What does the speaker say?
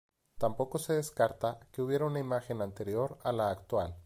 Tampoco se descarta que hubiera una imagen anterior a la actual.